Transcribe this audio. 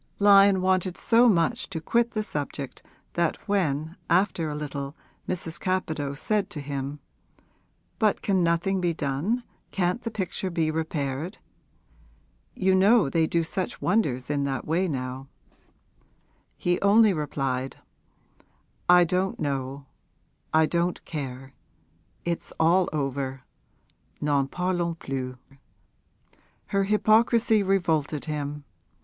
Lyon wanted so much to quit the subject that when after a little Mrs. Capadose said to him, 'But can nothing be done, can't the picture be repaired? You know they do such wonders in that way now,' he only replied, 'I don't know, I don't care, it's all over, n'en parlons plus!' Her hypocrisy revolted him.